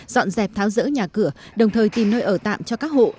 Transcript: dọn dẹp tháo rỡ nhà cửa đồng thời tìm nơi ở tạm cho các hộ